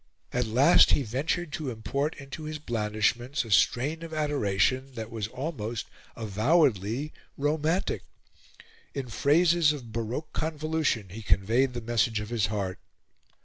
At last he ventured to import into his blandishments a strain of adoration that was almost avowedly romantic. In phrases of baroque convolution, he conveyed the message of his heart.